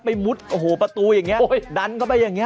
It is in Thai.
มุดโอ้โหประตูอย่างนี้ดันเข้าไปอย่างนี้